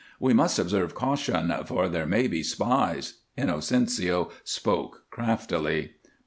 We must observe caution, for there may be spies " Inocencio spoke craftily.